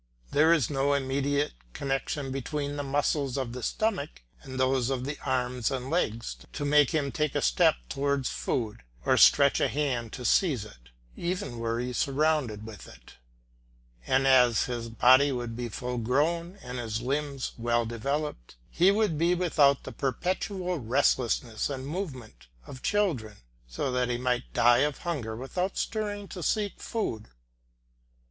There is no immediate connection between the muscles of the stomach and those of the arms and legs to make him take a step towards food, or stretch a hand to seize it, even were he surrounded with it; and as his body would be full grown and his limbs well developed he would be without the perpetual restlessness and movement of childhood, so that he might die of hunger without stirring to seek food.